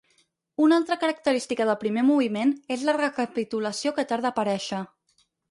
Una altra característica del primer moviment és la recapitulació que tarda a aparèixer.